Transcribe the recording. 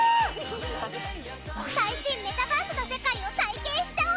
最新メタバースの世界を体験しちゃおう